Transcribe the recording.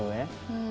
うん。